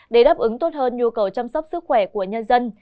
để đáp ứng tốt hơn nhu cầu chăm sóc sức khỏe của nhân dân